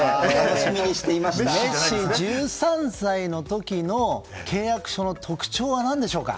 メッシ、１３歳の時の契約書の特徴は何でしょうか？